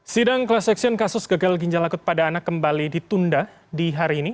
sidang klaseksian kasus gagal ginjal lakut pada anak kembali ditunda di hari ini